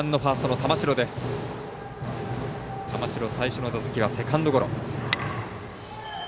玉城、最初の打席はセカンドゴロ。